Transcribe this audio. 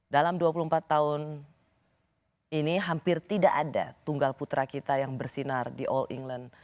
dalam dua puluh empat tahun ini hampir tidak ada tunggal putra kita yang bersinar di all england